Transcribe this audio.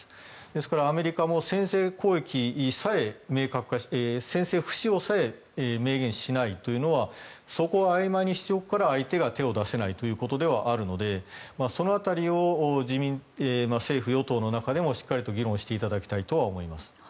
ですから、アメリカも先制攻撃不使用さえ明言しないということはそこをあいまいにしておくから相手が手を出せないというわけではあるのでその辺りを政府・与党の中でもしっかりと議論していただきたいと思います。